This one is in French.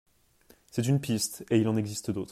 C’est une piste et il en existe d’autres.